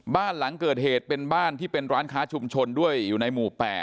บ้านหลังเกิดเหตุเป็นบ้านที่เป็นร้านค้าชุมชนด้วยอยู่ในหมู่๘